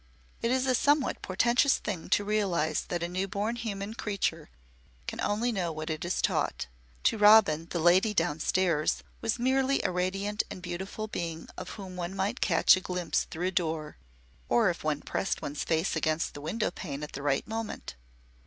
It is a somewhat portentous thing to realise that a newborn human creature can only know what it is taught. To Robin the Lady Downstairs was merely a radiant and beautiful being of whom one might catch a glimpse through a door, or if one pressed one's face against the window pane at the right moment.